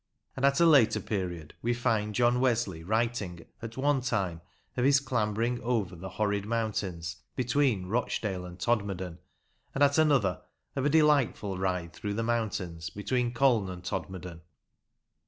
And, at a later period, we find John Wesley writing at one time of his clambering over " the horrid mountains " between Rochdale and Todmorden ; and, at another, of " a delightful ride through the mountains" between Colne and Todmorden.